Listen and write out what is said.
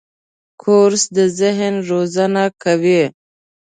کورس د ذهن روزنه کوي.